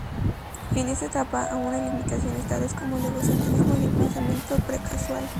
En esta etapa, aún hay limitaciones tales como el egocentrismo y el pensamiento pre-causal.